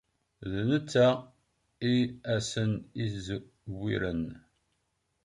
D netta i asen-izewwiren.